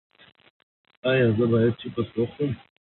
ایا زه باید چپس وخورم؟